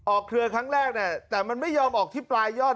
เครือครั้งแรกเนี่ยแต่มันไม่ยอมออกที่ปลายยอด